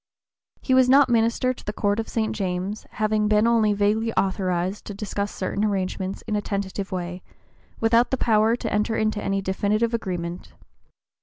He was not minister to the Court of St. James, having been only vaguely authorized to discuss certain arrangements in a tentative way, without the power to enter into any definitive agreement.